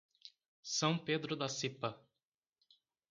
São Pedro da Cipa